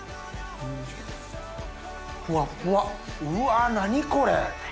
ふわっふわうわ何これ。